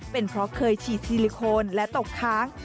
เป็นเพราะเคยฉีดซิลิโคนและตกค้าง